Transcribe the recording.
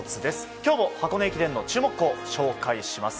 今日も箱根駅伝の注目校を紹介します。